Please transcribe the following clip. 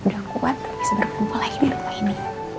udah kuat bisa berkumpul lagi di apa ini